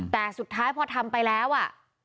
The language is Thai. แต่สุดท้ายพอทำไปแล้วอ่ะ